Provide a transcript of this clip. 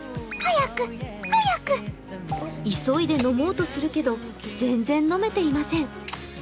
急いで飲もうとするけど全然飲めていません。